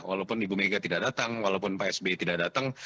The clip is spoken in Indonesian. walaupun ibu mega tidak datang walaupun psb tidak datang